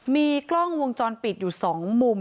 มีกล้องวงจรปิดอยู่๒มุม